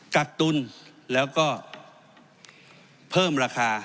กักตุลแล้วก็เพิ่มราคา